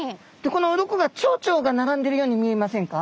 このうろこがチョウチョが並んでるように見えませんか？